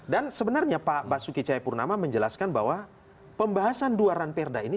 dan sebenarnya pak basuki cahayapurnama menjelaskan bahwa pembahasan dua ranperda ini